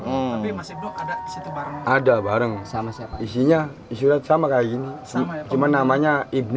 tapi mas ibnu ada di situ bareng ada bareng isinya isi surat sama kayak gini cuma namanya ibnu